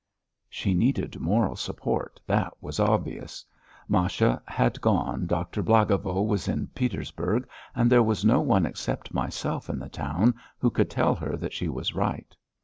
She needed moral support. That was obvious. Masha had gone, Doctor Blagovo was in Petersburg, and there was no one except myself in the town, who could tell her that she was right.